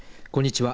こんにちは。